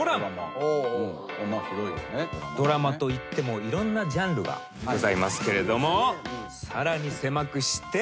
ドラマといってもいろんなジャンルがございますけれどもさらに狭くして。